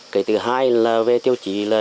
cái thứ hai là về tiêu chí là